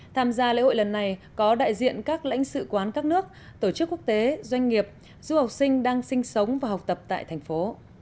tham gia lễ hội lần này có đại diện các lãnh sự quán các nước tổ chức quốc tế doanh nghiệp du học sinh đang sinh sống và học tập tại thành phố